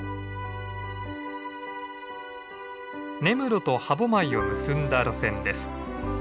根室と歯舞を結んだ路線です。